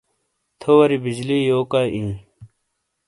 تھووری بجلی یوکاؤ ای؟